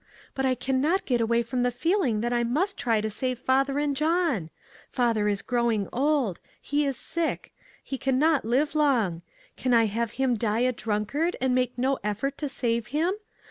But I can not get away from the feeling that I must try to save father and John. Father is growing old ; he is sick ; he can not live long. Can I have him die a drunk ard, and make no effort to save him